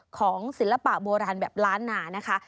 ศิลปะโบราณแบบล้านนานะคะ